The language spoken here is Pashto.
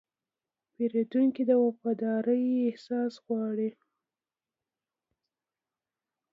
پیرودونکی د وفادارۍ احساس غواړي.